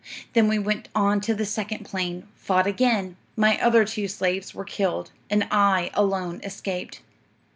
Then we went on to the second plain, fought again; my other two slaves were killed, and I alone escaped.